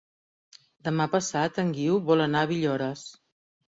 Demà passat en Guiu vol anar a Villores.